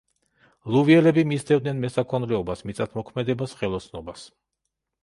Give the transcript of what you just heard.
ლუვიელები მისდევდნენ მესაქონლეობას, მიწათმოქმედებას, ხელოსნობას.